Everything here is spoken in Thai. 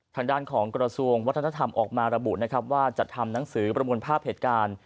ทางด้านของกระทรวงวัฒนธรรมออกมาระบุนะครับว่าจัดทำหนังสือประมวลภาพเหตุการณ์